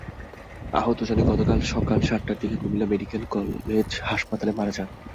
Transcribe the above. আহত জনি গতকাল সকাল সাতটার দিকে কুমিল্লা মেডিকেল কলেজ হাসপাতালে মারা যান।